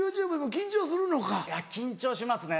緊張しますね